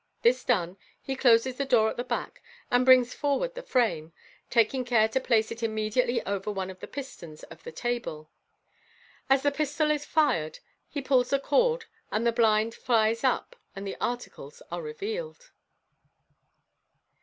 This done, he closes the door at the back, and brings forward the frame, taking care to place it immediately over one of the pistons of the table. As the pistol is fired he pulls the cord, the blind nies up, and the articles are revealed.